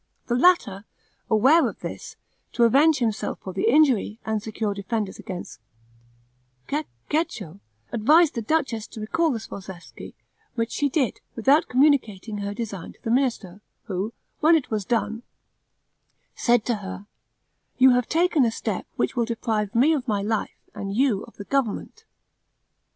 The latter, aware of this, to avenge himself for the injury, and secure defenders against Cecco, advised the duchess to recall the Sforzeschi, which she did, without communicating her design to the minister, who, when it was done, said to her, "You have taken a step which will deprive me of my life, and you of the government."